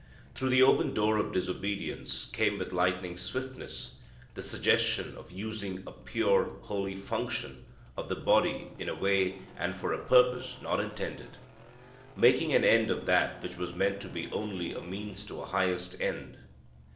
Through the open door of disobedience came with lightning swiftness the suggestion of using a pure, holy function of the body in a way and for a purpose not intended. Making an end of that which was meant to be only a means to a highest end.